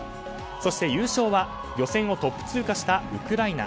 そして優勝は予選をトップ通過したウクライナ。